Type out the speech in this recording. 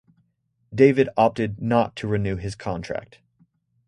David opted not to renew his contract.